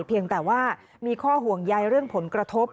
เพียงแต่ว่ามีข้อห่วงใยเรื่องผลกระทบ